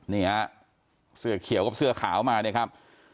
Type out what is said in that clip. นี่ฮะเสื้อเขียวกับเสื้อขาวมาเนี่ยครับ